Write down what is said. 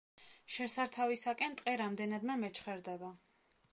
შესართავისაკენ ტყე რამდენადმე მეჩხერდება.